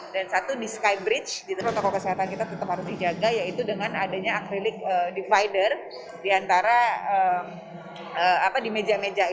dan satu di sky bridge di depan toko kesehatan kita tetap harus dijaga yaitu dengan adanya acrylic divider di antara meja meja